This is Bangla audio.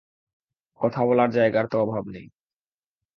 কথা বলার জায়গার তো অভাব নেই।